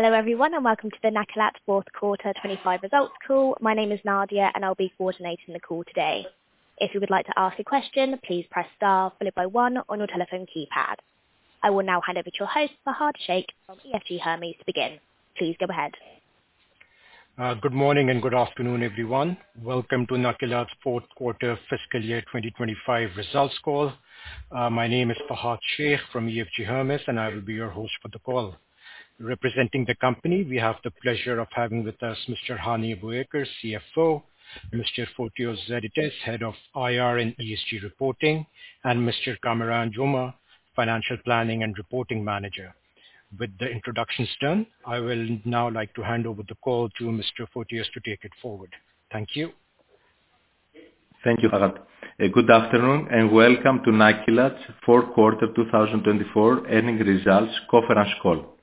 Hello everyone, welcome to the Nakilat fourth quarter 2025 results call. My name is Nadia, I'll be coordinating the call today. If you would like to ask a question, please press star followed by one on your telephone keypad. I will now hand over to your host, Fahad Shaikh from EFG Hermes to begin. Please go ahead. Good morning, good afternoon, everyone. Welcome to Nakilat's fourth quarter fiscal year 2025 results call. My name is Fahad Shaikh from EFG Hermes, I will be your host for the call. Representing the company, we have the pleasure of having with us Mr. Hany Abo Bakr, CFO, Mr. Fotios Zeritis, Head of IR and ESG Reporting, and Mr. Kamran Joma, Financial Planning and Reporting Manager. With the introductions done, I will now like to hand over the call to Mr. Fotios to take it forward. Thank you. Thank you, Fahad. Good afternoon, welcome to Nakilat's fourth quarter 2024 earnings results conference call.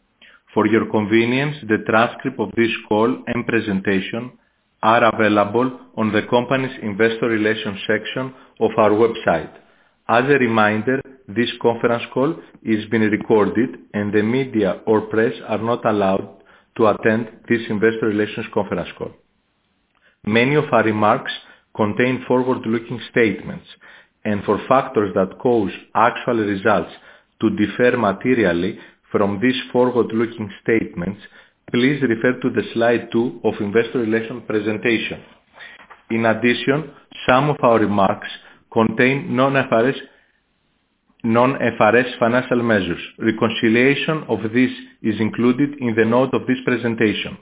For your convenience, the transcript of this call and presentation are available on the company's investor relations section of our website. As a reminder, this conference call is being recorded, the media or press are not allowed to attend this investor relations conference call. Many of our remarks contain forward-looking statements, for factors that cause actual results to differ materially from these forward-looking statements, please refer to the slide two of investor relations presentation. In addition, some of our remarks contain non-IFRS financial measures. Reconciliation of this is included in the note of this presentation.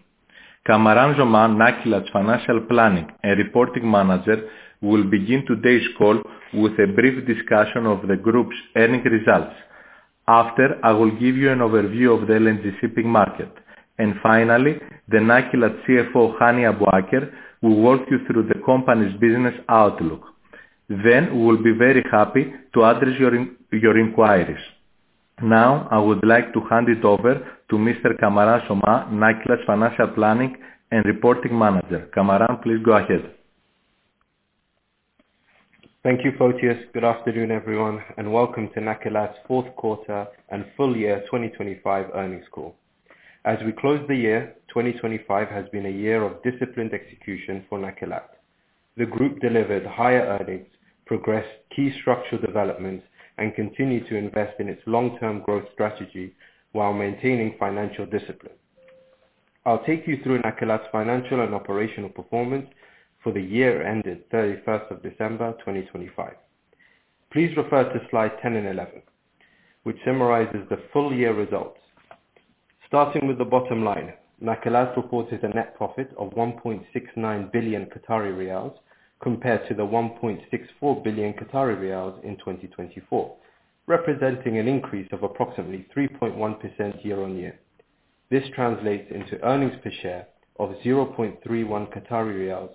Kamran Joma, Nakilat's Financial Planning and Reporting Manager, will begin today's call with a brief discussion of the group's earnings results. After, I will give you an overview of the LNG shipping market. Finally, the Nakilat CFO, Hany Abo Bakr, will walk you through the company's business outlook. We will be very happy to address your inquiries. I would like to hand it over to Mr. Kamran Joma, Nakilat's Financial Planning and Reporting Manager. Kamran, please go ahead. Thank you, Fotios. Good afternoon, everyone, and welcome to Nakilat's fourth quarter and full year 2025 earnings call. As we close the year, 2025 has been a year of disciplined execution for Nakilat. The group delivered higher earnings, progressed key structural developments, and continued to invest in its long-term growth strategy while maintaining financial discipline. I'll take you through Nakilat's financial and operational performance for the year ended 31st of December 2025. Please refer to slide 10 and 11, which summarizes the full-year results. Starting with the bottom line, Nakilat reported a net profit of 1.69 billion Qatari riyals compared to the 1.64 billion Qatari riyals in 2024, representing an increase of approximately 3.1% year-on-year. This translates into earnings per share of 0.31 Qatari riyals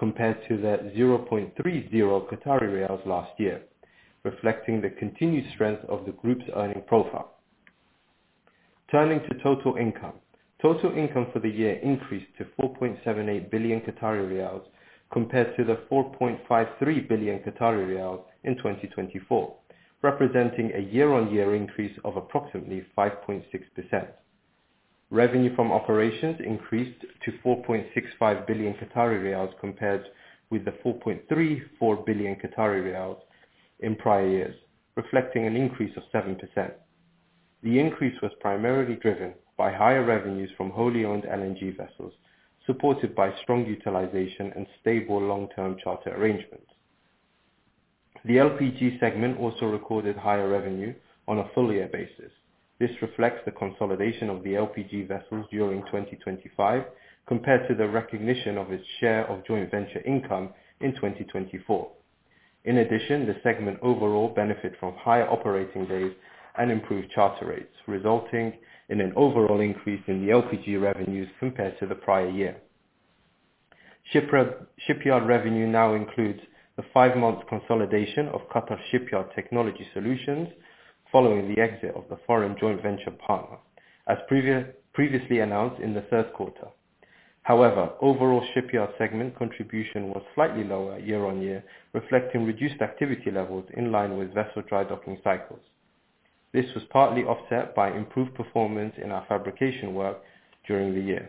compared to the 0.30 Qatari riyals last year, reflecting the continued strength of the group's earning profile. Turning to total income. Total income for the year increased to 4.78 billion Qatari riyals compared to the 4.53 billion Qatari riyals in 2024, representing a year-on-year increase of approximately 5.6%. Revenue from operations increased to 4.65 billion Qatari riyals compared with the 4.34 billion Qatari riyals in prior years, reflecting an increase of 7%. The increase was primarily driven by higher revenues from wholly owned LNG vessels, supported by strong utilization and stable long-term charter arrangements. The LPG segment also recorded higher revenue on a full-year basis. This reflects the consolidation of the LPG vessels during 2025 compared to the recognition of its share of joint venture income in 2024. In addition, the segment overall benefit from higher operating days and improved charter rates, resulting in an overall increase in the LPG revenues compared to the prior year. Shipyard revenue now includes the five-month consolidation of Qatar Shipyard Technology Solutions following the exit of the foreign joint venture partner, as previously announced in the third quarter. However, overall shipyard segment contribution was slightly lower year-on-year, reflecting reduced activity levels in line with vessel dry docking cycles. This was partly offset by improved performance in our fabrication work during the year.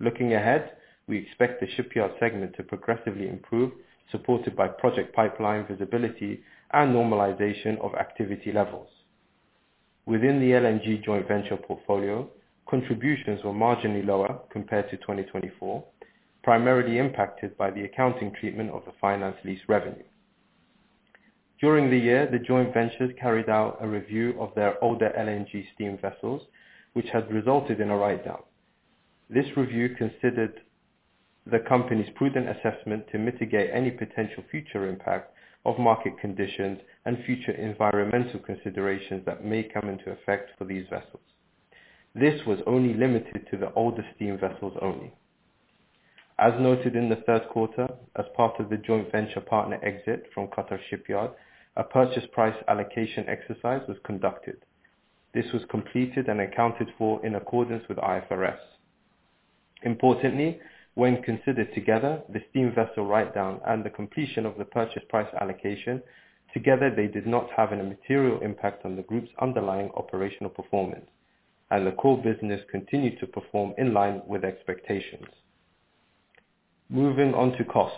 Looking ahead, we expect the shipyard segment to progressively improve, supported by project pipeline visibility and normalization of activity levels. Within the LNG joint venture portfolio, contributions were marginally lower compared to 2024, primarily impacted by the accounting treatment of the finance lease revenue. During the year, the joint ventures carried out a review of their older LNG steam vessels, which had resulted in a write-down. This review considered the company's prudent assessment to mitigate any potential future impact of market conditions and future environmental considerations that may come into effect for these vessels. This was only limited to the older steam vessels only. As noted in the third quarter, as part of the joint venture partner exit from Qatar Shipyard, a purchase price allocation exercise was conducted. This was completed and accounted for in accordance with IFRS. Importantly, when considered together, the steam vessel write-down and the completion of the purchase price allocation, together they did not have any material impact on the group's underlying operational performance, and the core business continued to perform in line with expectations. Moving on to costs.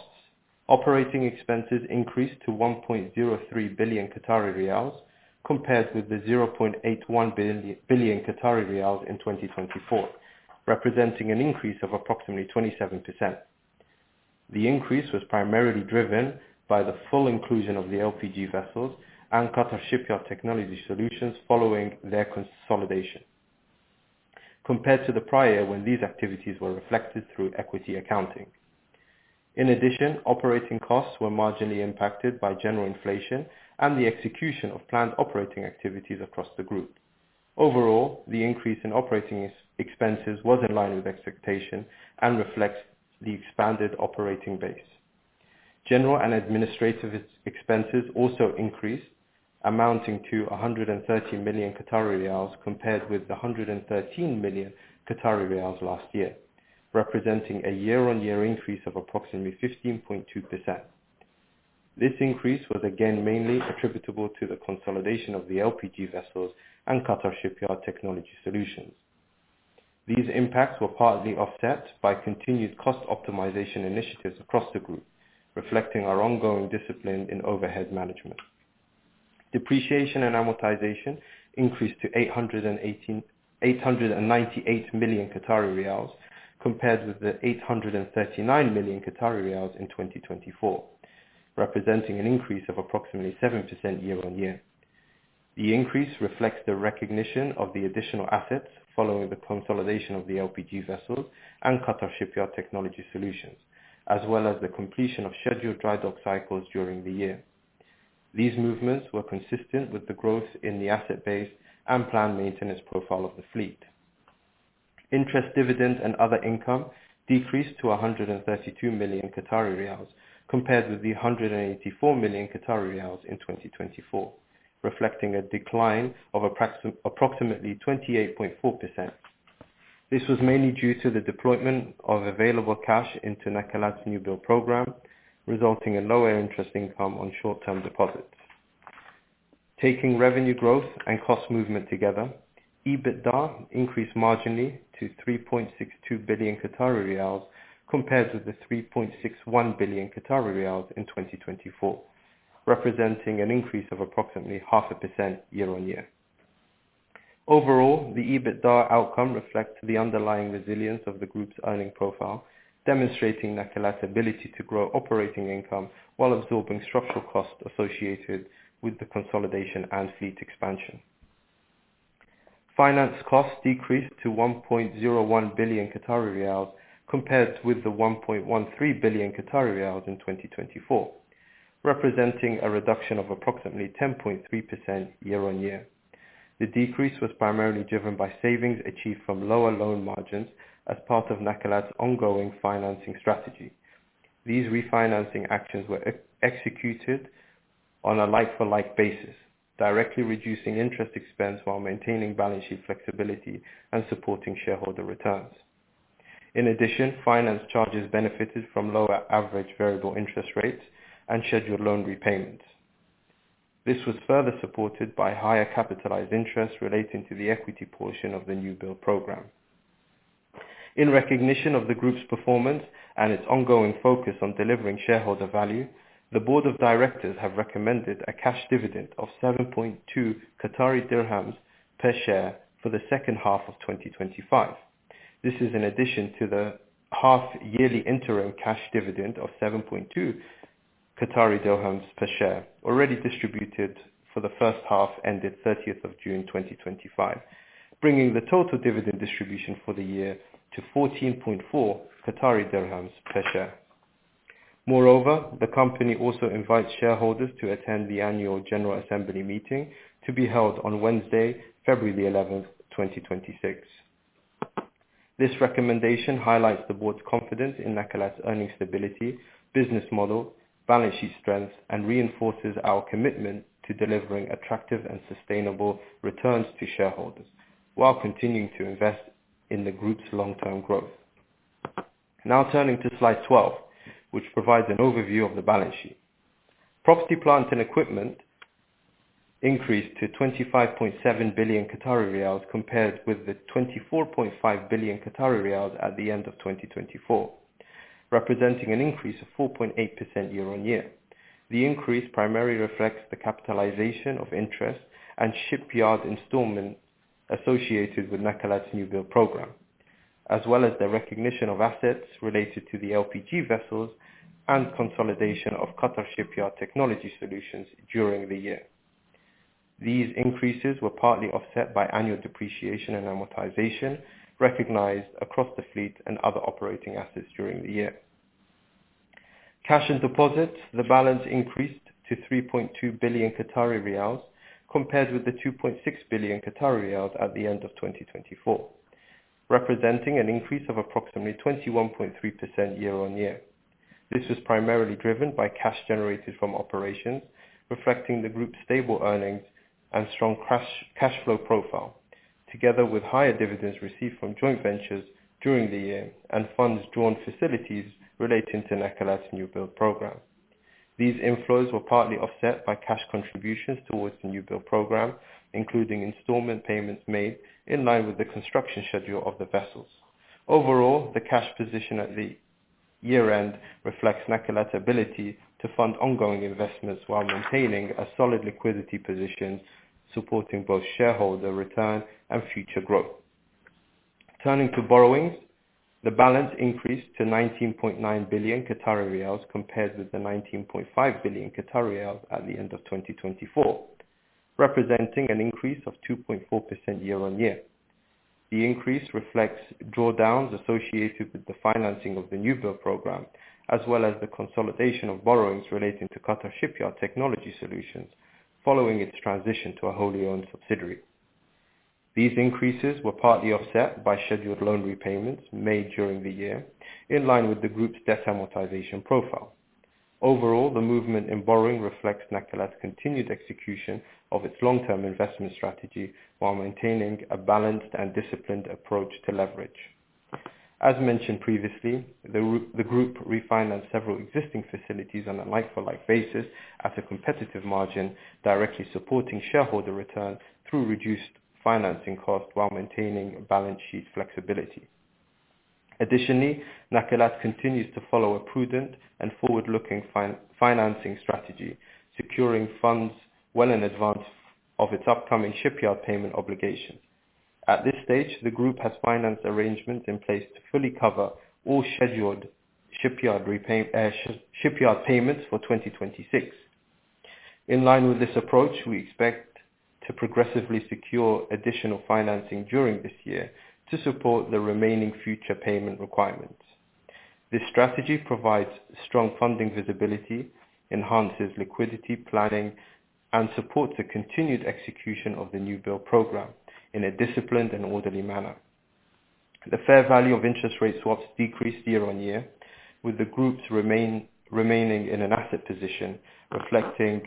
Operating expenses increased to 1.03 billion Qatari riyals, compared with the 0.81 billion Qatari riyals in 2024, representing an increase of approximately 27%. The increase was primarily driven by the full inclusion of the LPG vessels and Qatar Shipyard Technology Solutions following their consolidation, compared to the prior year when these activities were reflected through equity accounting. In addition, operating costs were marginally impacted by general inflation and the execution of planned operating activities across the group. Overall, the increase in operating expenses was in line with expectation and reflects the expanded operating base. General and administrative expenses also increased, amounting to 113 million Qatari riyals compared with 113 million last year, representing a year-on-year increase of approximately 15.2%. This increase was again mainly attributable to the consolidation of the LPG vessels and Qatar Shipyard Technology Solutions. These impacts were partly offset by continued cost optimization initiatives across the group, reflecting our ongoing discipline in overhead management. Depreciation and amortization increased to 898 million Qatari riyals, compared with 839 million Qatari riyals in 2024, representing an increase of approximately 7% year-on-year. The increase reflects the recognition of the additional assets following the consolidation of the LPG vessel and Qatar Shipyard Technology Solutions, as well as the completion of scheduled dry docking cycles during the year. These movements were consistent with the growth in the asset base and planned maintenance profile of the fleet. Interest dividend and other income decreased to 132 million Qatari riyals, compared with 184 million Qatari riyals in 2024, reflecting a decline of approximately 28.4%. This was mainly due to the deployment of available cash into Nakilat's new-build program, resulting in lower interest income on short-term deposits. Taking revenue growth and cost movement together, EBITDA increased marginally to 3.62 billion Qatari riyals, compared with 3.61 billion Qatari riyals in 2024, representing an increase of approximately 0.5% year-on-year. Overall, the EBITDA outcome reflects the underlying resilience of the group's earning profile, demonstrating Nakilat's ability to grow operating income while absorbing structural costs associated with the consolidation and fleet expansion. Finance costs decreased to 1.01 billion Qatari riyals, compared with 1.13 billion Qatari riyals in 2024, representing a reduction of approximately 10.3% year-on-year. The decrease was primarily driven by savings achieved from lower loan margins as part of Nakilat's ongoing financing strategy. These refinancing actions were executed on a like-for-like basis, directly reducing interest expense while maintaining balance sheet flexibility and supporting shareholder returns. In addition, finance charges benefited from lower average variable interest rates and scheduled loan repayments. This was further supported by higher capitalized interest relating to the equity portion of the new-build program. In recognition of the group's performance and its ongoing focus on delivering shareholder value, the board of directors have recommended a cash dividend of QAR 0.072 per share for the second half of 2025. This is in addition to the half-yearly interim cash dividend of QAR 0.072 per share already distributed for the first half ended 30th of June 2025, bringing the total dividend distribution for the year to QAR 0.144 per share. Moreover, the company also invites shareholders to attend the annual general assembly meeting to be held on Wednesday, February 11th, 2026. This recommendation highlights the board's confidence in Nakilat's earnings stability, business model, balance sheet strength, and reinforces our commitment to delivering attractive and sustainable returns to shareholders while continuing to invest in the group's long-term growth. Now turning to slide 12, which provides an overview of the balance sheet. Property, plant, and equipment increased to 25.7 billion Qatari riyals, compared with 24.5 billion Qatari riyals at the end of 2024, representing an increase of 4.8% year-on-year. The increase primarily reflects the capitalization of interest and shipyard installments associated with Nakilat's new-build program, as well as the recognition of assets related to the LPG vessels and consolidation of Qatar Shipyard Technology Solutions during the year. These increases were partly offset by annual depreciation and amortization recognized across the fleet and other operating assets during the year. Cash and deposits, the balance increased to 3.2 billion Qatari riyals, compared with 2.6 billion Qatari riyals at the end of 2024, representing an increase of approximately 21.3% year-on-year. This was primarily driven by cash generated from operations, reflecting the group's stable earnings and strong cash flow profile, together with higher dividends received from joint ventures during the year and funds drawn facilities relating to Nakilat's new-build program. These inflows were partly offset by cash contributions towards the new-build program, including installment payments made in line with the construction schedule of the vessels. Overall, the cash position at the year-end reflects Nakilat's ability to fund ongoing investments while maintaining a solid liquidity position, supporting both shareholder return and future growth. Turning to borrowing, the balance increased to 19.9 billion riyals, compared with 19.5 billion riyals at the end of 2024, representing an increase of 2.4% year-on-year. The increase reflects drawdowns associated with the financing of the new-build program, as well as the consolidation of borrowings relating to Qatar Shipyard Technology Solutions following its transition to a wholly owned subsidiary. These increases were partly offset by scheduled loan repayments made during the year, in line with the group's debt amortization profile. Overall, the movement in borrowing reflects Nakilat's continued execution of its long-term investment strategy while maintaining a balanced and disciplined approach to leverage. As mentioned previously, the group refinanced several existing facilities on a like-for-like basis at a competitive margin, directly supporting shareholder returns through reduced financing costs while maintaining balance sheet flexibility. Additionally, Nakilat continues to follow a prudent and forward-looking financing strategy, securing funds well in advance of its upcoming shipyard payment obligation. At this stage, the group has finance arrangements in place to fully cover all scheduled shipyard payments for 2026. In line with this approach, we expect to progressively secure additional financing during this year to support the remaining future payment requirements. This strategy provides strong funding visibility, enhances liquidity planning, and supports the continued execution of the new-build program in a disciplined and orderly manner. The fair value of interest rate swaps decreased year-on-year, with the groups remaining in an asset position, reflecting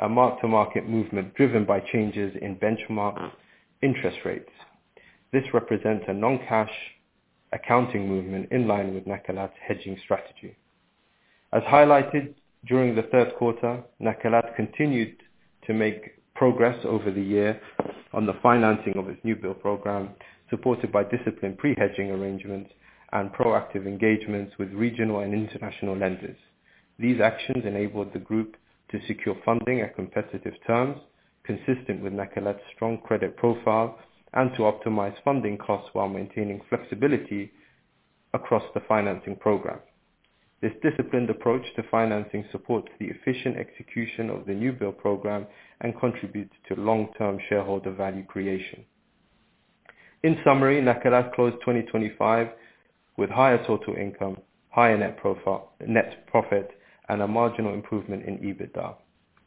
a mark-to-market movement driven by changes in benchmark interest rates. This represents a non-cash accounting movement in line with Nakilat's hedging strategy. As highlighted during the third quarter, Nakilat continued to make progress over the year on the financing of its new-build program, supported by disciplined pre-hedging arrangements and proactive engagements with regional and international lenders. These actions enabled the group to secure funding at competitive terms consistent with Nakilat's strong credit profile and to optimize funding costs while maintaining flexibility across the financing program. This disciplined approach to financing supports the efficient execution of the new-build program and contributes to long-term shareholder value creation. In summary, Nakilat closed 2025 with higher total income, higher net profit, and a marginal improvement in EBITDA,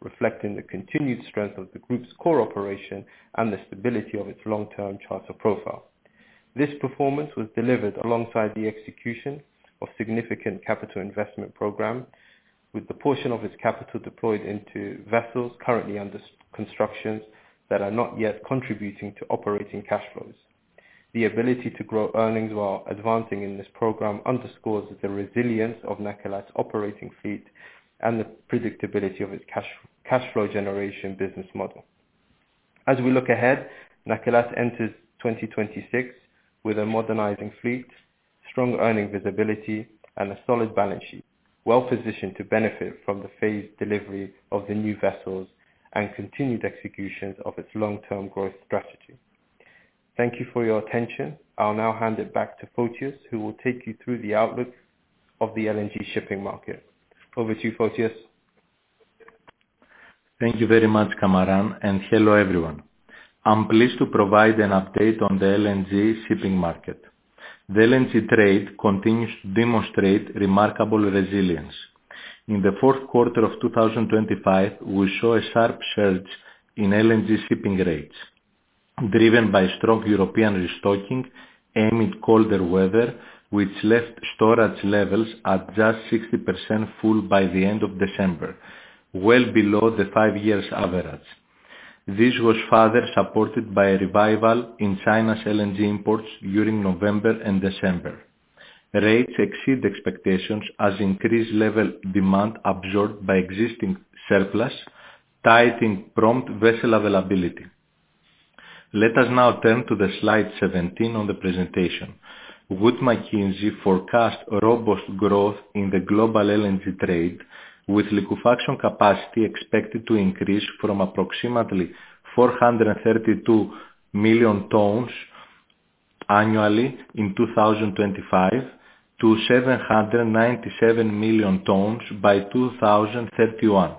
reflecting the continued strength of the group's core operation and the stability of its long-term charter profile. This performance was delivered alongside the execution of significant capital investment program, with the portion of its capital deployed into vessels currently under construction that are not yet contributing to operating cash flows. The ability to grow earnings while advancing in this program underscores the resilience of Nakilat's operating fleet and the predictability of its cash flow generation business model. As we look ahead, Nakilat enters 2026 with a modernizing fleet, strong earning visibility, and a solid balance sheet, well-positioned to benefit from the phased delivery of the new vessels and continued executions of its long-term growth strategy. Thank you for your attention. I'll now hand it back to Fotios, who will take you through the outlook of the LNG shipping market. Over to you, Fotios. Thank you very much, Kamaran. Hello, everyone. I'm pleased to provide an update on the LNG shipping market. The LNG trade continues to demonstrate remarkable resilience. In the fourth quarter of 2025, we saw a sharp surge in LNG shipping rates driven by strong European restocking amid colder weather, which left storage levels at just 60% full by the end of December, well below the five years average. This was further supported by a revival in China's LNG imports during November and December. Rates exceed expectations as increased level demand absorbed by existing surplus, tight and prompt vessel availability. Let us now turn to the slide 17 on the presentation. Wood Mackenzie forecast robust growth in the global LNG trade, with liquefaction capacity expected to increase from approximately 432 million tons annually in 2025 to 797 million tons by 2031.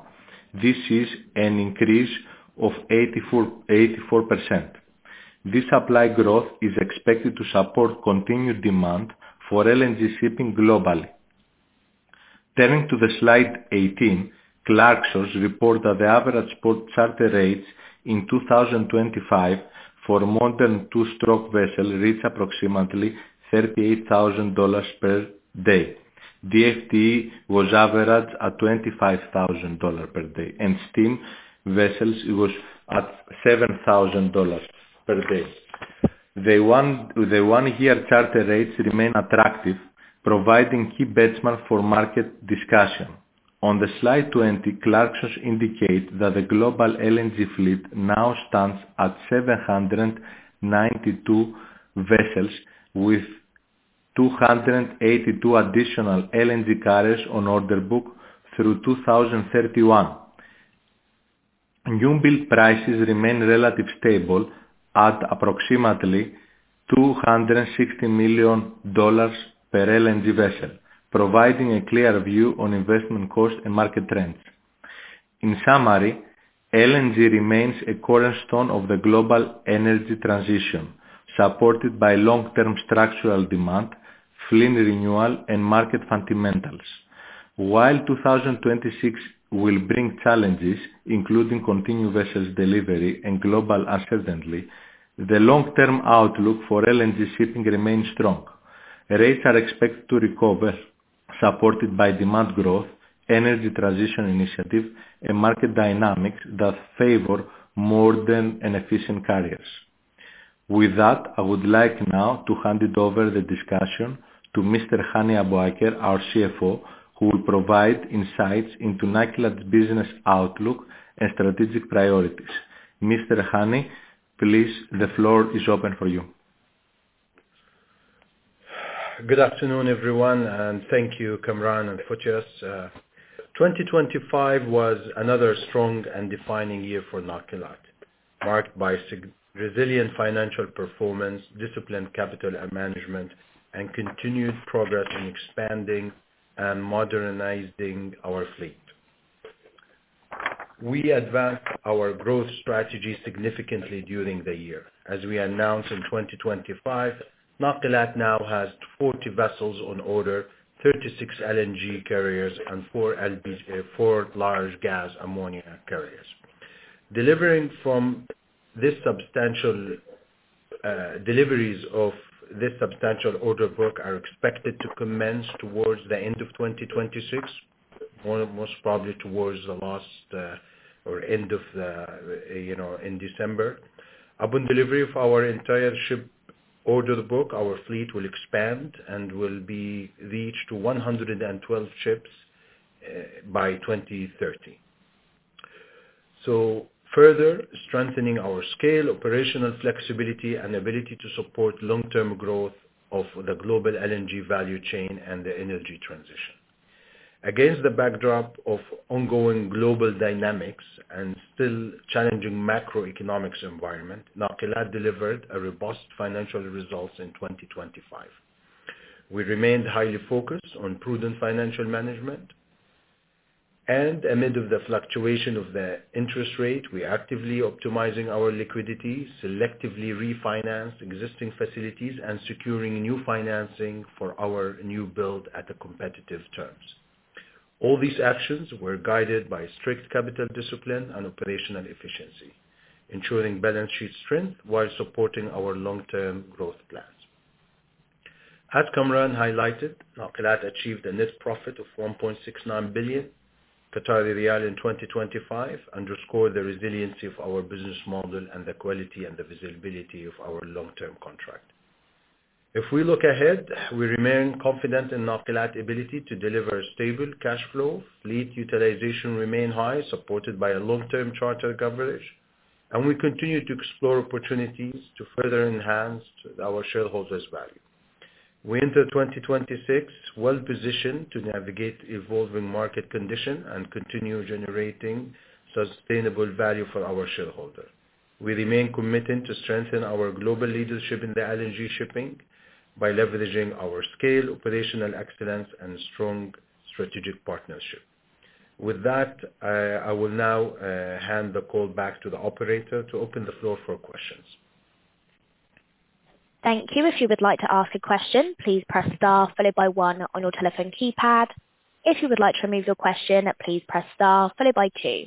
This is an increase of 84%. This supply growth is expected to support continued demand for LNG shipping globally. Turning to the slide 18, Clarksons report that the average spot charter rates in 2025 for modern two-stroke vessels reached approximately QAR 38,000 per day. DFDE was average at QAR 25,000 per day, and steam vessels was at QAR 7,000 per day. The one-year charter rates remain attractive, providing key benchmarks for market discussion. On the slide 20, Clarksons indicate that the global LNG fleet now stands at 792 vessels with 282 additional LNG carriers on order book through 2031. New build prices remain relatively stable at approximately QAR 260 million per LNG vessel, providing a clear view on investment cost and market trends. In summary, LNG remains a cornerstone of the global energy transition, supported by long-term structural demand, fleet renewal, and market fundamentals. While 2026 will bring challenges, including continued vessels delivery and global uncertainty, the long-term outlook for LNG shipping remains strong. Rates are expected to recover, supported by demand growth, energy transition initiatives, and market dynamics that favor modern and efficient carriers. With that, I would like now to hand it over the discussion to Mr. Hany Abo Bakr, our CFO, who will provide insights into Nakilat business outlook and strategic priorities. Mr. Hany, please, the floor is open for you. Good afternoon, everyone, and thank you Kamran and Fotios. 2025 was another strong and defining year for Nakilat, marked by resilient financial performance, disciplined capital management, and continued progress in expanding and modernizing our fleet. We advanced our growth strategy significantly during the year. As we announced in 2025, Nakilat now has 40 vessels on order, 36 LNG carriers, and four large gas ammonia carriers. Deliveries of this substantial order book are expected to commence towards the end of 2026, most probably towards the last or end of the in December. Upon delivery of our entire ship order book, our fleet will expand and will be reached to 112 ships by 2030. Further strengthening our scale, operational flexibility, and ability to support long-term growth of the global LNG value chain and the energy transition. Against the backdrop of ongoing global dynamics and still challenging macroeconomics environment, Nakilat delivered a robust financial results in 2025. We remained highly focused on prudent financial management. Amid of the fluctuation of the interest rate, we actively optimizing our liquidity, selectively refinanced existing facilities, and securing new financing for our new build at a competitive terms. All these actions were guided by strict capital discipline and operational efficiency, ensuring balance sheet strength while supporting our long-term growth plans. As Kamran highlighted, Nakilat achieved a net profit of 1.69 billion Qatari riyal in 2025, underscore the resiliency of our business model and the quality and the visibility of our long-term contract. If we look ahead, we remain confident in Nakilat ability to deliver stable cash flow. Fleet utilization remain high, supported by a long-term charter coverage, and we continue to explore opportunities to further enhance our shareholders value. We enter 2026 well-positioned to navigate evolving market condition and continue generating sustainable value for our shareholder. We remain committed to strengthen our global leadership in the LNG shipping by leveraging our scale, operational excellence, and strong strategic partnership. With that, I will now hand the call back to the operator to open the floor for questions. Thank you. If you would like to ask a question, please press star followed by one on your telephone keypad. If you would like to remove your question, please press star followed by two.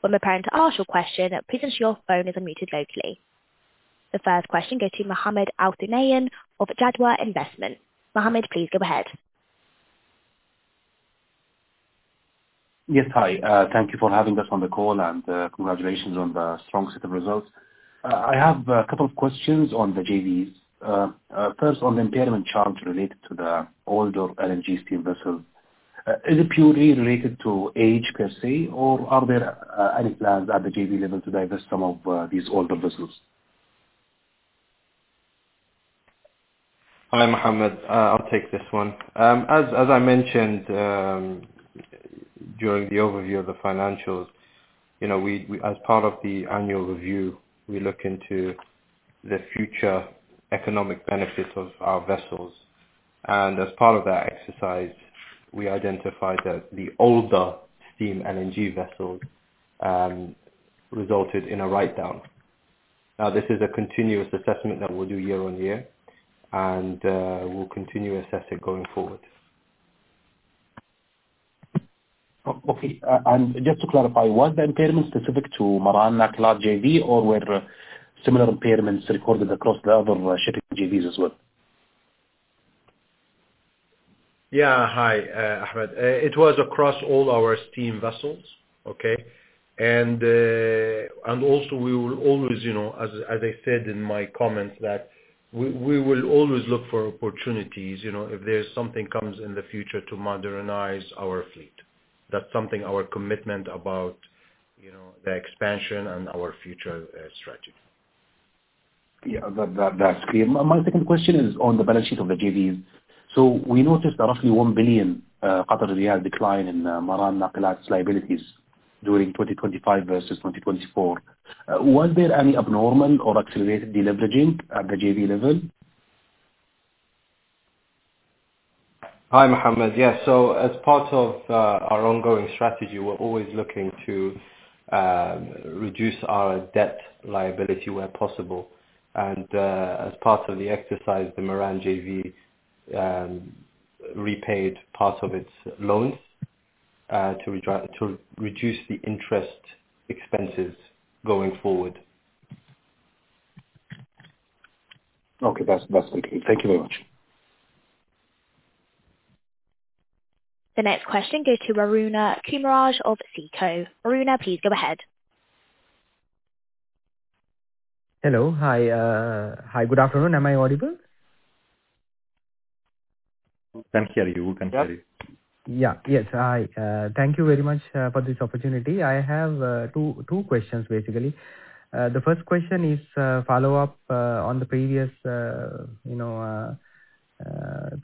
When preparing to ask your question, please ensure your phone is unmuted locally. The first question goes to Mohammed Al-Dunayan of Jadwa Investment. Mohammed, please go ahead. Yes. Hi. Thank you for having us on the call, congratulations on the strong set of results. I have a couple of questions on the JVs. First, on the impairment charge related to the older LNG steam vessel. Is it purely related to age per se, or are there any plans at the JV level to divest some of these older vessels? Hi, Mohammed. I'll take this one. As I mentioned during the overview of the financials, as part of the annual review, we look into the future economic benefits of our vessels. As part of that exercise, we identified that the older steam LNG vessels resulted in a write-down. This is a continuous assessment that we'll do year-on-year, we'll continue to assess it going forward. Okay. Just to clarify, was the impairment specific to Maran Nakilat JV, or were similar impairments recorded across the other shipping JVs as well? Yeah. Hi, Ahmed. It was across all our steam vessels. Okay. Also, as I said in my comments, that we will always look for opportunities if there's something comes in the future to modernize our fleet. That's something our commitment about the expansion and our future strategy. Yeah. That's clear. My second question is on the balance sheet of the JVs. We noticed a roughly 1 billion QAR decline in Maran Nakilat's liabilities during 2025 versus 2024. Was there any abnormal or accelerated deleveraging at the JV level? Hi, Mohammed. Yeah. As part of our ongoing strategy, we're always looking to reduce our debt liability where possible. As part of the exercise, the Maran JV repaid part of its loans to reduce the interest expenses going forward. Okay. That's clear. Thank you very much. The next question goes to Arun Kumaraj of Citi. Arun, please go ahead. Hello. Hi, good afternoon. Am I audible? We can hear you. Yeah. Yes. Hi. Thank you very much for this opportunity. I have two questions basically. The first question is a follow-up on the previous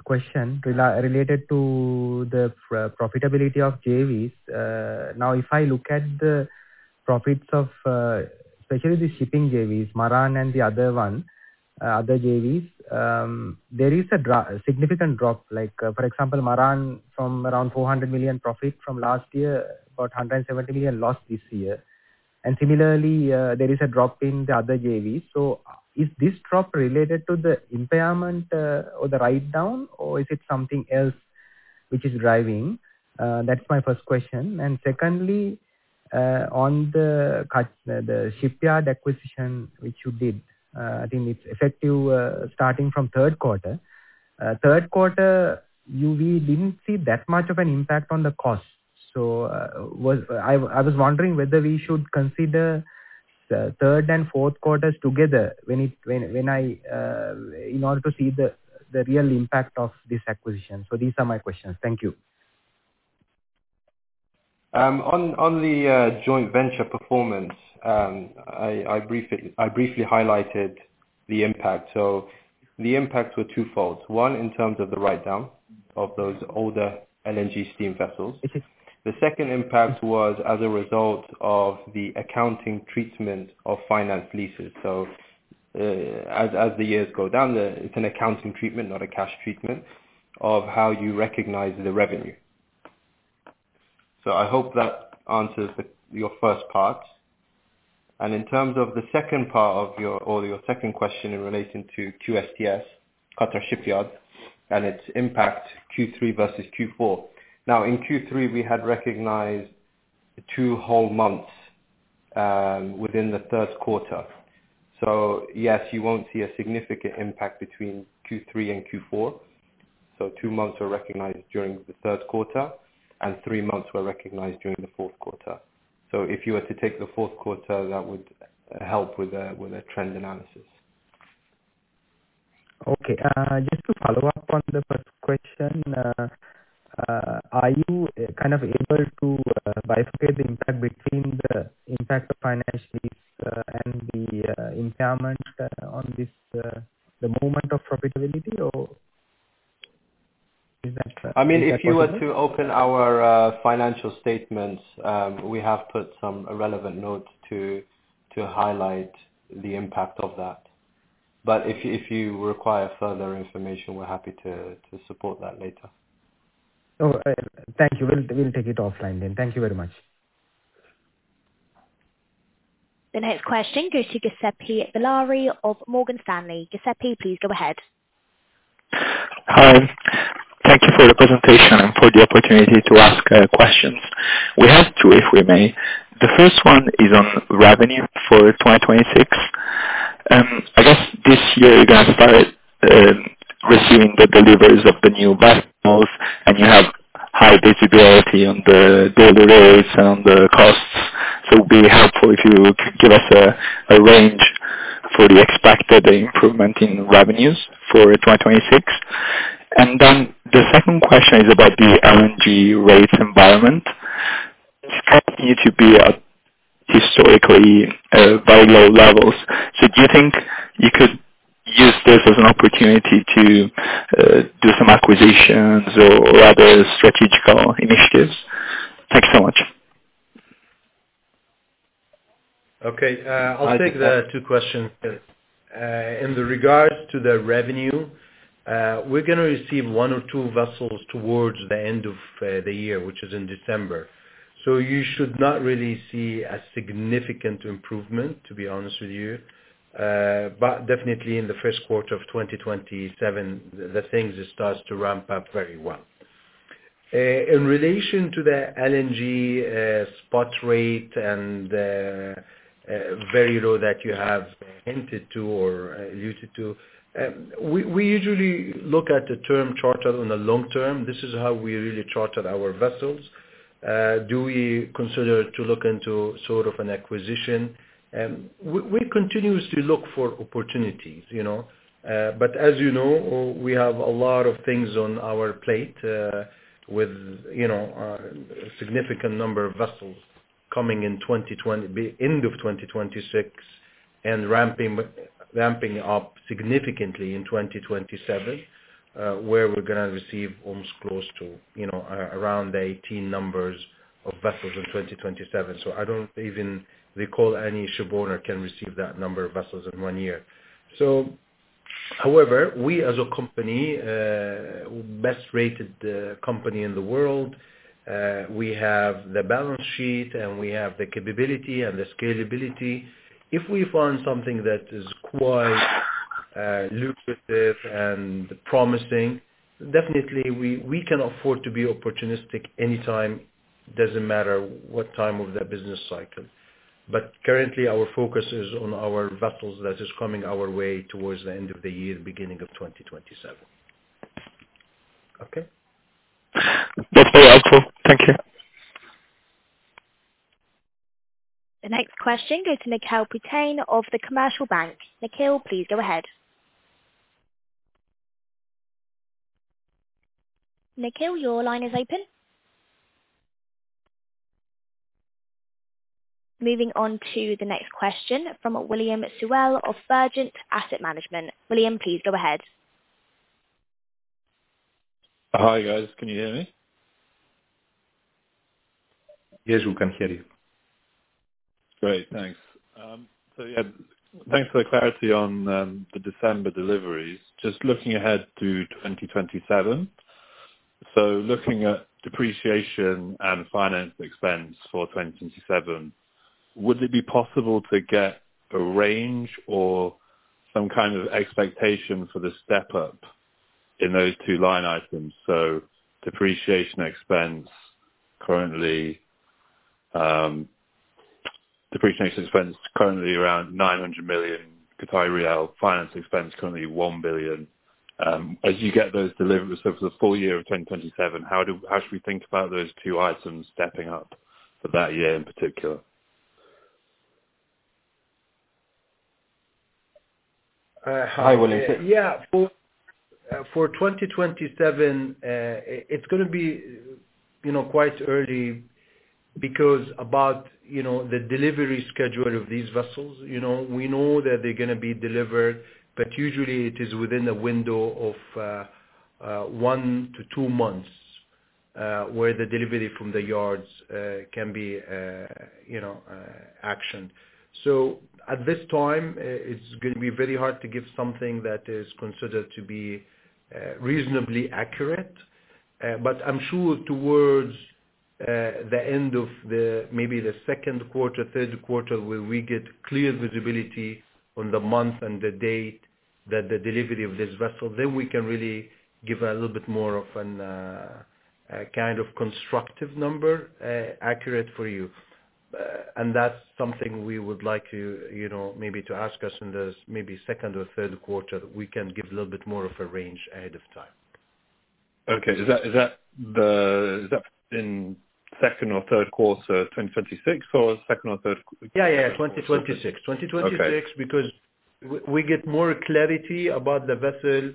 question related to the profitability of JVs. If I look at the profits of especially the shipping JVs, Maran and the other ones, other JVs, there is a significant drop. For example, Maran from around 400 million profit from last year, about 170 million loss this year. Similarly, there is a drop in the other JVs. Is this drop related to the impairment, or the write-down, or is it something else which is driving? That's my first question. Secondly, on the shipyard acquisition which you did, I think it's effective starting from third quarter. Third quarter, we didn't see that much of an impact on the cost. I was wondering whether we should consider the third and fourth quarters together in order to see the real impact of this acquisition. These are my questions. Thank you. On the joint venture performance, I briefly highlighted the impact. The impacts were twofold. One, in terms of the write-down of those older LNG steam vessels. The second impact was as a result of the accounting treatment of finance leases. As the years go down, it's an accounting treatment, not a cash treatment of how you recognize the revenue. I hope that answers your first part. In terms of the second part of your or your second question in relation to QSTS, Qatar Shipyard, and its impact Q3 versus Q4. In Q3, we had recognized two whole months within the third quarter. Yes, you won't see a significant impact between Q3 and Q4. Two months were recognized during the third quarter, and three months were recognized during the fourth quarter. If you were to take the fourth quarter, that would help with the trend analysis. Just to follow up on the first question. Are you able to bifurcate the impact between the impact of finance lease and the impairment on the movement of profitability, or is that possible? If you were to open our financial statements, we have put some relevant notes to highlight the impact of that. If you require further information, we are happy to support that later. Thank you. We'll take it offline then. Thank you very much. The next question goes to Giuseppe Villari of Morgan Stanley. Giuseppe, please go ahead. Hi. Thank you for the presentation and for the opportunity to ask questions. We have two, if we may. The first one is on revenue for 2026. I guess this year you guys started receiving the deliveries of the new vessels, and you have high visibility on the deliveries and on the costs. It would be helpful if you could give us a range for the expected improvement in revenues for 2026. The second question is about the LNG rates environment. It's continued to be at historically very low levels. Do you think you could use this as an opportunity to do some acquisitions or other strategic initiatives? Thank you so much. Okay. I'll take the two questions. In the regards to the revenue, we're going to receive one or two vessels towards the end of the year, which is in December. You should not really see a significant improvement, to be honest with you. Definitely in the first quarter of 2027, the things starts to ramp up very well. In relation to the LNG spot rate and the very low that you have hinted to or alluded to, we usually look at the term charter in the long term. This is how we really charter our vessels. Do we consider to look into sort of an acquisition? We continuously look for opportunities. As you know, we have a lot of things on our plate, with a significant number of vessels coming end of 2026 and ramping up significantly in 2027, where we're going to receive almost close to around 18 numbers of vessels in 2027. I don't even recall any shipowner can receive that number of vessels in one year. However, we as a company, best-rated company in the world, we have the balance sheet and we have the capability and the scalability. If we find something that is quite lucrative and promising, definitely we can afford to be opportunistic anytime, doesn't matter what time of the business cycle. Currently, our focus is on our vessels that is coming our way towards the end of the year, beginning of 2027. Okay? That's very helpful. Thank you. The next question goes to Nikhil Pitane of The Commercial Bank. Nikhil, please go ahead. Nikhil, your line is open. Moving on to the next question from William Sewell of Vergent Asset Management. William, please go ahead. Hi, guys. Can you hear me? Yes, we can hear you. Great. Thanks. Thanks for the clarity on the December deliveries. Just looking ahead to 2027, looking at depreciation and finance expense for 2027, would it be possible to get a range or some kind of expectation for the step-up in those two line items? Depreciation expense currently around 900 million, finance expense currently 1 billion. As you get those deliveries for the full year of 2027, how should we think about those two items stepping up for that year in particular? Hi, William. For 2027, it's going to be quite early because about the delivery schedule of these vessels. We know that they're going to be delivered, but usually it is within a window of one to two months, where the delivery from the yards can be actioned. At this time, it's going to be very hard to give something that is considered to be reasonably accurate. I'm sure towards the end of maybe the second quarter, third quarter, where we get clear visibility on the month and the date that the delivery of this vessel, then we can really give a little bit more of a kind of constructive number, accurate for you. That's something we would like you maybe to ask us in the maybe second or third quarter, we can give a little bit more of a range ahead of time. Okay. Is that in second or third quarter of 2026 or second or third quarter? Yeah. 2026. Okay. 2026, because we get more clarity about the vessel.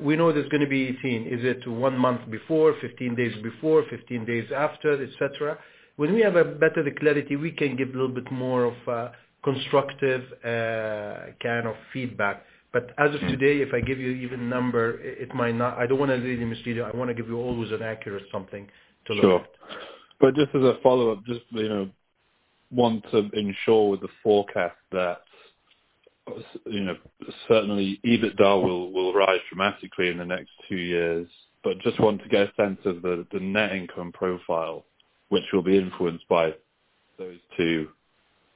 We know there's going to be 18. Is it one month before, 15 days before, 15 days after, et cetera? When we have a better clarity, we can give a little bit more of a constructive kind of feedback. As of today, if I give you even a number, I don't want to lead you astray. I want to give you always an accurate something to look at. Sure. Just as a follow-up, just want to ensure with the forecast that, certainly EBITDA will rise dramatically in the next two years. Just want to get a sense of the net income profile, which will be influenced by those two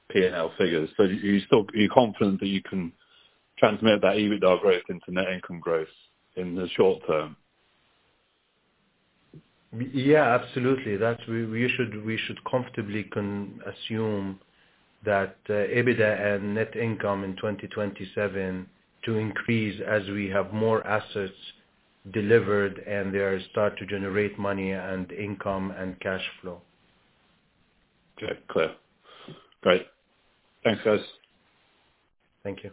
P&L figures. You're confident that you can transmit that EBITDA growth into net income growth in the short term? Yeah, absolutely. That we should comfortably assume that EBITDA and net income in 2027 to increase as we have more assets delivered and they start to generate money and income and cash flow. Okay. Clear. Great. Thanks, guys. Thank you.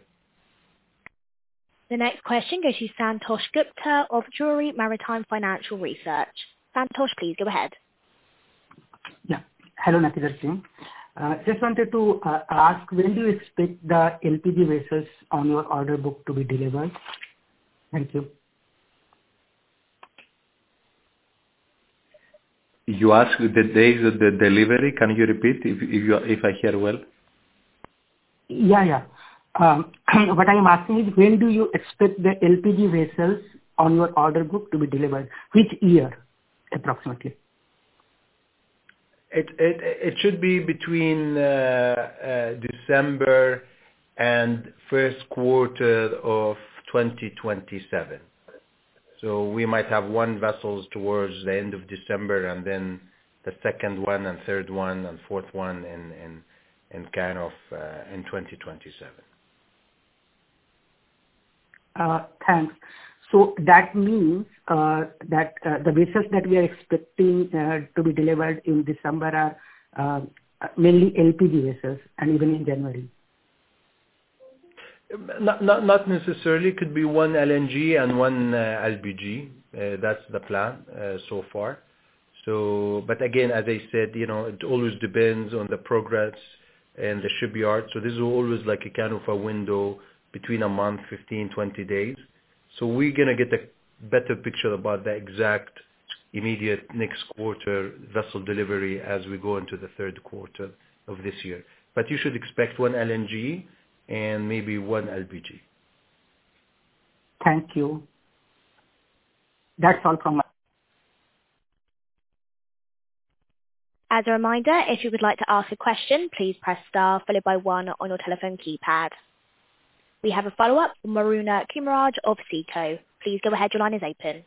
The next question goes to Santosh Gupta of Drewry Maritime Financial Research. Santosh, please go ahead. Yeah. Hello, Nikhil. Just wanted to ask, when do you expect the LPG vessels on your order book to be delivered? Thank you. You asked the days of the delivery? Can you repeat, if I hear well? Yeah. What I'm asking is, when do you expect the LPG vessels on your order book to be delivered? Which year, approximately? It should be between December and first quarter of 2027. We might have one vessel towards the end of December, and then the second one, and third one, and fourth one in 2027. Thanks. That means, that the vessels that we are expecting to be delivered in December are mainly LPG vessels and even in January. Not necessarily. Could be one LNG and one LPG. That's the plan so far. Again, as I said, it always depends on the progress in the shipyard. This is always like a kind of a window between a month, 15, 20 days. We're going to get a better picture about the exact immediate next quarter vessel delivery as we go into the third quarter of this year. You should expect one LNG and maybe one LPG. Thank you. That's all from us. As a reminder, if you would like to ask a question, please press star followed by one on your telephone keypad. We have a follow-up from Maruna Kumarage of CITO. Please go ahead. Your line is open.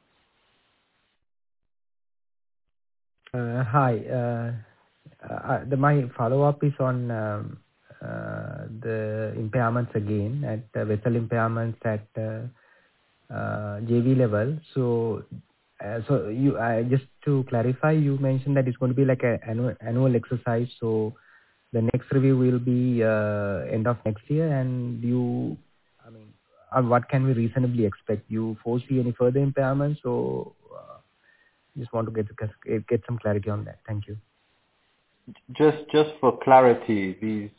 Hi. My follow-up is on the impairments again, vessel impairments at JV level. Just to clarify, you mentioned that it's going to be like an annual exercise, so the next review will be end of next year. What can we reasonably expect? You foresee any further impairments, or Just want to get some clarity on that. Thank you. Just for clarity, these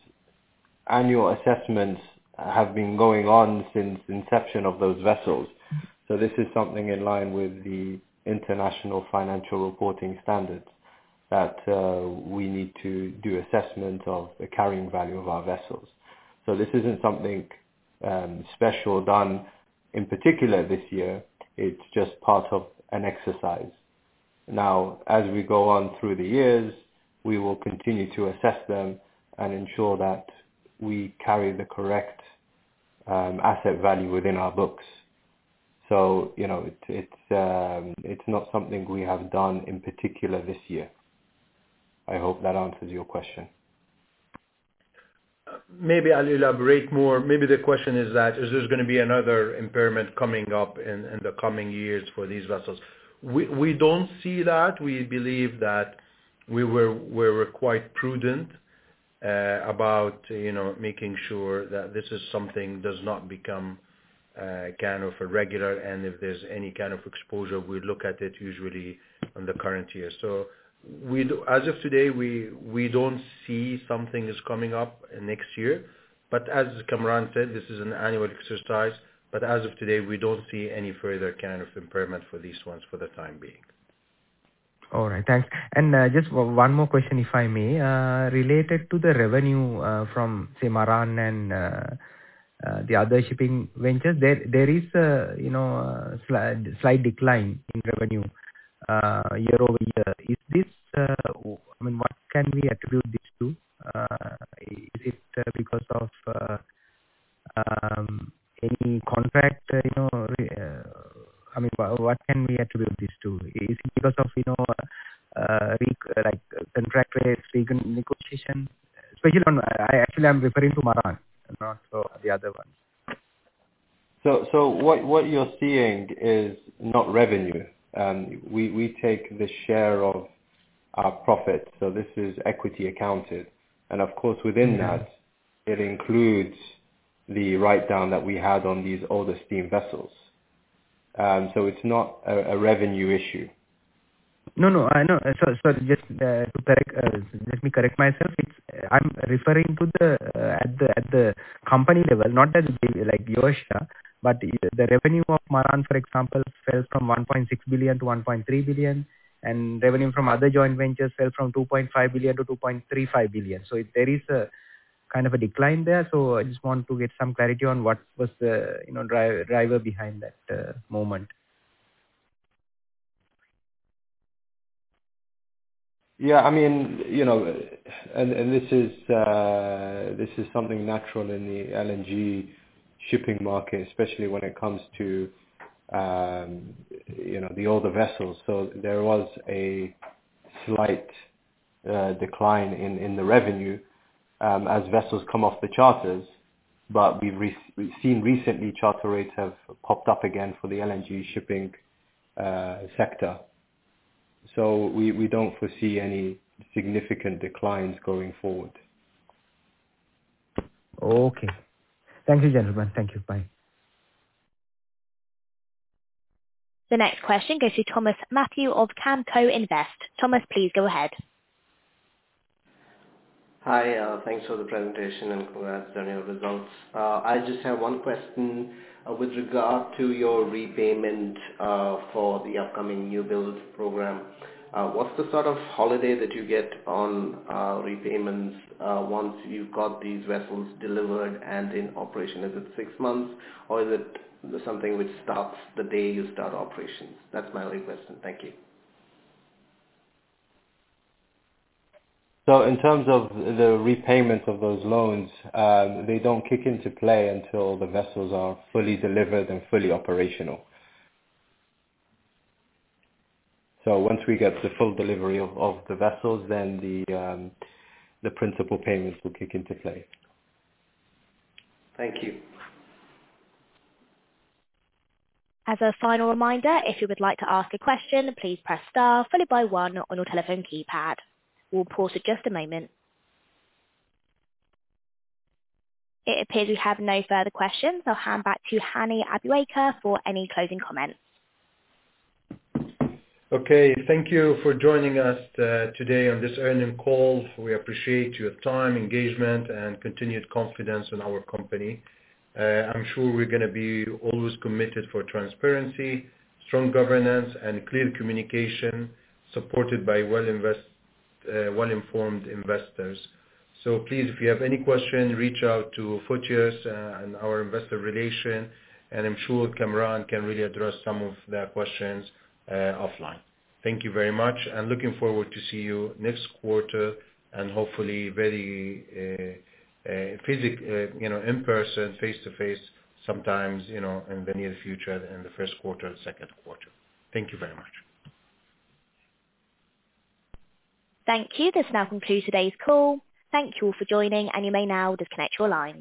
annual assessments have been going on since inception of those vessels. This is something in line with the International Financial Reporting Standards that we need to do assessment of the carrying value of our vessels. This isn't something special done in particular this year. It's just part of an exercise. As we go on through the years, we will continue to assess them and ensure that we carry the correct asset value within our books. It's not something we have done in particular this year. I hope that answers your question. Maybe I'll elaborate more. Maybe the question is that, is there going to be another impairment coming up in the coming years for these vessels? We don't see that. We believe that we were quite prudent, about making sure that this is something does not become kind of a regular. If there's any kind of exposure, we look at it usually on the current year. As of today, we don't see something is coming up next year. But as Kamran said, this is an annual exercise, but as of today, we don't see any further kind of impairment for these ones for the time being. All right. Thanks. Just one more question, if I may. Related to the revenue, from, say, Maran and the other shipping ventures. There is a slight decline in revenue year-over-year. What can we attribute this to? Is it because of any contract, or what can we attribute this to? Is it because of contract rates, negotiation? Actually, I'm referring to Maran, not the other one. What you're seeing is not revenue. We take the share of our profit. This is equity accounted. Of course, within that, it includes the write-down that we had on these older steam vessels. It's not a revenue issue. No, I know. Sorry. Just let me correct myself. I'm referring at the company level, not at like Qushta, but the revenue of Maran, for example, fell from 1.6 billion to 1.3 billion, and revenue from other joint ventures fell from 2.5 billion to 2.35 billion. There is a kind of a decline there. I just want to get some clarity on what was the driver behind that movement. This is something natural in the LNG shipping market, especially when it comes to the older vessels. There was a slight decline in the revenue, as vessels come off the charters. We've seen recently charter rates have popped up again for the LNG shipping sector. We don't foresee any significant declines going forward. Okay. Thank you, gentlemen. Thank you. Bye. The next question goes to Thomas Matthew of Kamco Invest. Thomas, please go ahead. Hi. Thanks for the presentation and congrats on your results. I just have one question with regard to your repayment, for the upcoming new builds program. What's the sort of holiday that you get on repayments once you've got these vessels delivered and in operation? Is it six months or is it something which starts the day you start operations? That's my only question. Thank you. In terms of the repayment of those loans, they don't kick into play until the vessels are fully delivered and fully operational. Once we get the full delivery of the vessels, then the principal payments will kick into play. Thank you. As a final reminder, if you would like to ask a question, please press star followed by one on your telephone keypad. We'll pause for just a moment. It appears we have no further questions, so I'll hand back to Hani Abuaker for any closing comments. Okay, thank you for joining us today on this earnings call. We appreciate your time, engagement, and continued confidence in our company. I'm sure we're going to be always committed for transparency, strong governance, and clear communication supported by well-informed investors. Please, if you have any questions, reach out to Fotios and our investor relation, and I'm sure Kamran can really address some of the questions offline. Thank you very much and looking forward to see you next quarter and hopefully very in-person, face-to-face sometime in the near future, in the first quarter or second quarter. Thank you very much. Thank you. This now concludes today's call. Thank you all for joining, and you may now disconnect your lines.